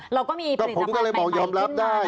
เราก็มีผลิตภัณฑ์ใหม่ขึ้นมาน่ะเนอะนะครับก็ผมก็เลยบอกยอมรับได้